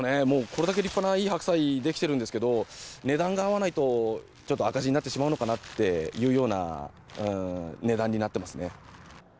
もうこれだけ立派ないい白菜出来てるんですけど、値段が合わないと、ちょっと赤字になってしまうのかなというような値段になってます